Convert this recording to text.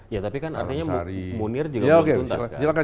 ya tapi kan artinya munir juga mau tuntas